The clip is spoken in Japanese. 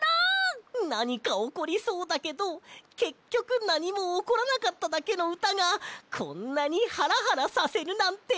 なにかおこりそうだけどけっきょくなにもおこらなかっただけのうたがこんなにハラハラさせるなんて！